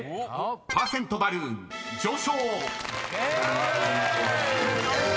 ［パーセントバルーン上昇！］ＯＫ！